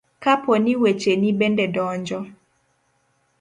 kapo ni wecheni bende donjo